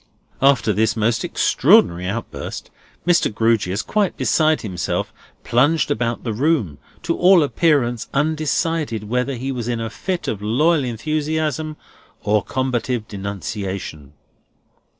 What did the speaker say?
'" After this most extraordinary outburst, Mr. Grewgious, quite beside himself, plunged about the room, to all appearance undecided whether he was in a fit of loyal enthusiasm, or combative denunciation.